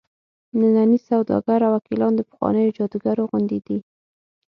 ننني سوداګر او وکیلان د پخوانیو جادوګرو غوندې دي.